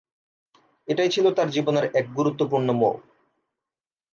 এটাই ছিল তার জীবনের এক গুরুত্বপূর্ণ মোড়।